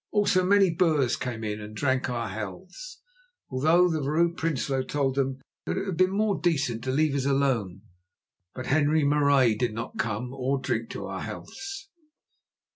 Also, many Boers came in and drank our healths, although the Vrouw Prinsloo told them that it would have been more decent to leave us alone. But Henri Marais did not come or drink our healths.